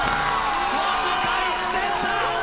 わずか１点差！